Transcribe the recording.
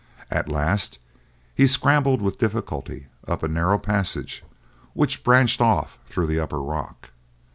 At last he scrambled with difficulty up a narrow passage which branched off through the upper rock.